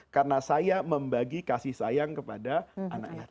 karena saya membagi kasih sayang kepada anak yatim